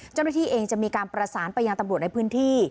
เจ้าหน้าที่เองจะมีการประสานไปยังตำรวจในพื้นที่